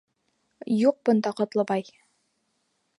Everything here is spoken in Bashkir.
Юҡ бында Ҡотлобай!